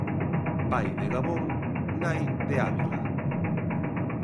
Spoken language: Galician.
Pai de Gabón, nai de Ávila.